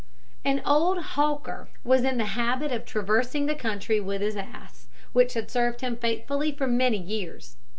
An old hawker was in the habit of traversing the country with his ass, which had served him faithfully for many years.